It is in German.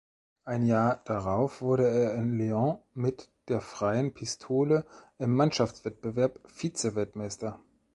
Ein Jahr darauf wurde er in Lyon mit der Freien Pistole im Mannschaftswettbewerb Vizeweltmeister.